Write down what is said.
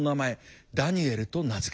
ダニエルと名付けた。